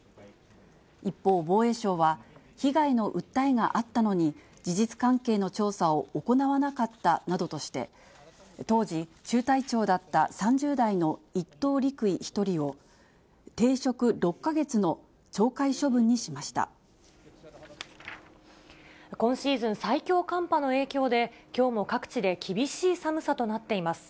一方、防衛省は、被害の訴えがあったのに、事実関係の調査を行わなかったなどとして、当時、中隊長だった３０代の１等陸尉１人を、停職６か月の懲戒処分にし今シーズン、最強寒波の影響で、きょうも各地で厳しい寒さとなっています。